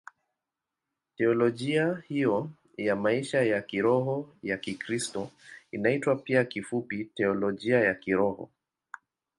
Teolojia hiyo ya maisha ya kiroho ya Kikristo inaitwa pia kifupi Teolojia ya Kiroho.